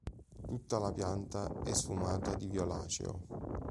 Tutta la pianta è sfumata di violaceo.